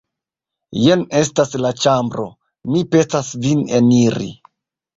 Jen estas la ĉambro; mi petas vin eniri.